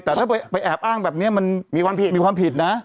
แต่ถ้าไปแอบอ้างแบบนี้มันมีความผิดนะ